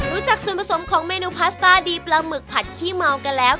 จากส่วนผสมของเมนูพาสต้าดีปลาหมึกผัดขี้เมากันแล้ว